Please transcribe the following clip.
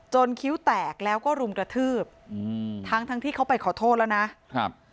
คิ้วแตกแล้วก็รุมกระทืบอืมทั้งทั้งที่เขาไปขอโทษแล้วนะครับ